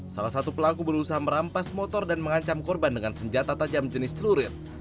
salah satu pelaku berusaha merampas motor dan mengancam korban dengan senjata tajam jenis celurit